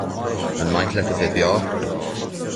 An maith leat a bheith beo?